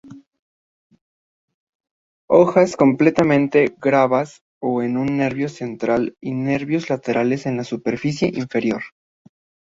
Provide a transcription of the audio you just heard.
Hojas completamente glabras o con nervio central y nervios laterales en la superficie inferior.